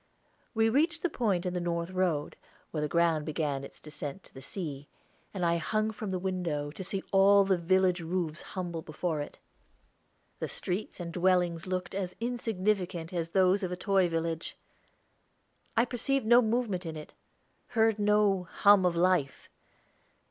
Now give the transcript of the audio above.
We reached the point in the north road, where the ground began its descent to the sea, and I hung from the window, to see all the village roofs humble before it. The streets and dwellings looked as insignificant as those of a toy village. I perceived no movement in it, heard no hum of life.